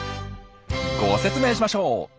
ご説明しましょう！